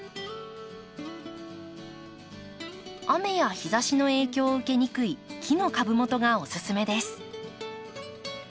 雨や日ざしの影響を受けにくい木の株元がおすすめです。